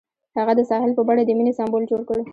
هغه د ساحل په بڼه د مینې سمبول جوړ کړ.